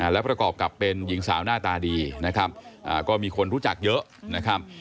และประกอบกับเป็นหญิงสาวหน้าตาดีนะครับก็มีคนรู้จักเยอะนะครับ